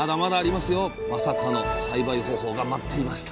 まさかの栽培方法が待っていました